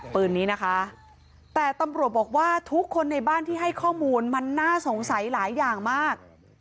ปืนนี้นะคะแต่ตำรวจบอกว่าทุกคนในบ้านที่ให้ข้อมูลมันน่าสงสัยหลายอย่างมาก